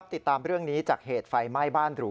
ติดตามเรื่องนี้จากเหตุไฟไหม้บ้านหรู